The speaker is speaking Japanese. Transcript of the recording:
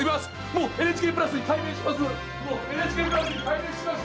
もうＮＨＫプラスに改名しました！